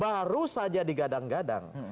baru saja digadang gadang